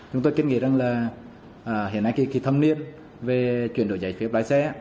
chúng tôi kết nghĩ rằng là hiện nay khi thâm niên về chuyển đổi giấy phép lái xe